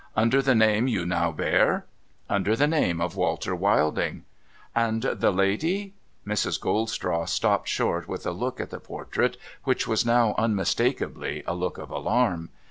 ' Under the name you now bear ?'' Under the name of Walter A\'ilding.' ' And the lady ?' Mrs. Goldstraw stopped short with a look at the portrait which was now unmistakably a look of alarm.